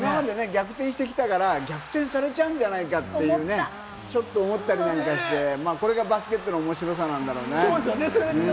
今まで逆転してきたから逆転されちゃうんじゃないかって思ったけど、これがバスケットの面白さなんだろうね。